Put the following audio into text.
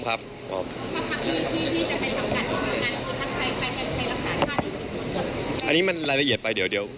อันนี้มันรายละเอียดไปเดี๋ยว